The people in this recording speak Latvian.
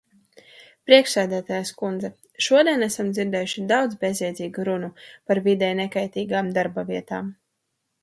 Priekšsēdētājas kundze, šodien esam dzirdējuši daudz bezjēdzīgu runu par videi nekaitīgākām darba vietām.